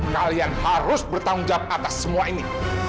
kalian harus bertanggung jawab atas semua ini